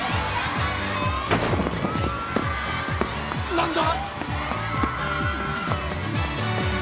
何だ？